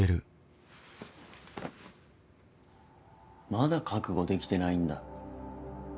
まだ覚悟できてないんだ？